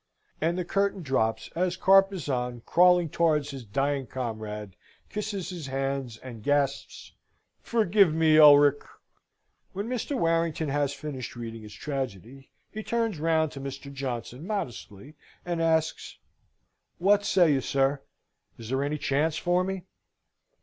And the curtain drops as Carpezan, crawling towards his dying comrade, kisses his hands, and gasps "Forgive me, Ulric!" When Mr. Warrington has finished reading his tragedy, he turns round to Mr. Johnson, modestly, and asks, "What say you, sir? Is there any chance for me?"